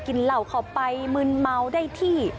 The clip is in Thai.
เหล่าเข้าไปมึนเมาได้ที่